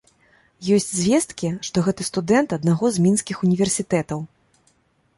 Ёсць звесткі, што гэта студэнт аднаго з мінскіх універсітэтаў.